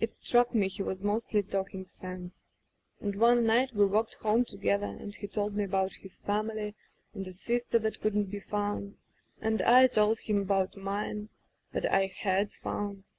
It struck me he was mosdy talking sense. And one night we walked home together and he told me about his family, and the sister that couldn't be found, and I told him about mine that I had found.